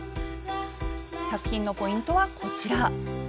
作品のポイントはこちら。